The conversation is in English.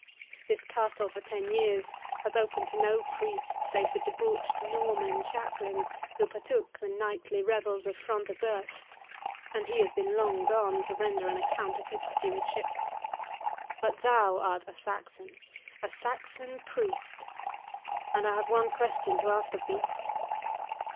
This castle, for ten years, has opened to no priest save the debauched Norman chaplain who partook the nightly revels of Front de Bœuf, and he has been long gone to render an account of his stewardship.—But thou art a Saxon—a Saxon priest, and I have one question to ask of thee."